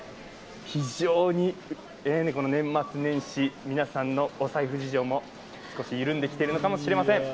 非常に年末年始、皆さんのお財布事情も少し緩んできているのかもしれません。